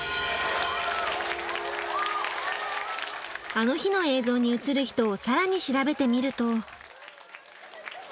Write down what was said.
「あの日」の映像に映る人を更に調べてみると。